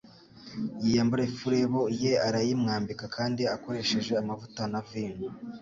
Yiyambura ifurebo ye, arayimwambika kandi akoresheje amavuta na vino